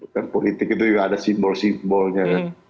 kan politik itu juga ada simbol simbolnya kan